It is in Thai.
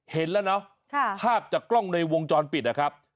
เห็นแล้วเนาะภาพจากกล้องในวงจรปิดนะครับ